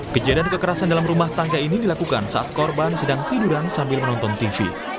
kejadian kekerasan dalam rumah tangga ini dilakukan saat korban sedang tiduran sambil menonton tv